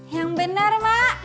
yang bener mak